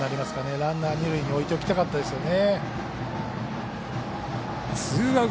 ランナー、二塁に置いておきたかったですね。